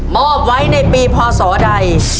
อบไว้ในปีพศใด